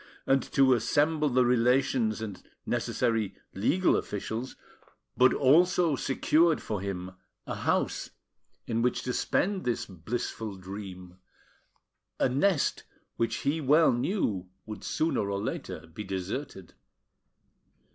and to assemble the relations and necessary legal officials, but also secured for him a house in which to spend this blissful dream, a nest which he well knew would sooner or later be deserted.